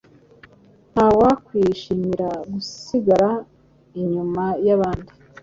Ntawakwishimira gusigara inyuma y’abandi.